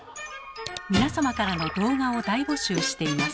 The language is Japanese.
皆様からの動画を大募集しています。